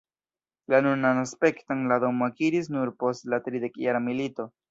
La nunan aspekton la domo akiris nur post la Tridekjara milito.